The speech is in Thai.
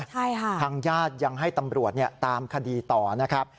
ใช่ค่ะทางญาติยังให้ตำรวจเนี่ยตามคดีต่อนะครับ